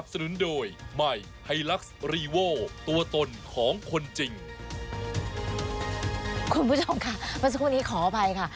คุณผู้ชมค่ะเมื่อสักครู่นี้ขออภัยค่ะ